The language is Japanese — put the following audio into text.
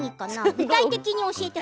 具体的に教えて。